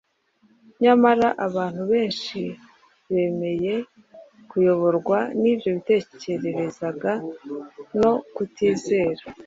Nyamara abantu benshi bemeye kuyoborwa n’ibyo bitekererezaga no kutizera,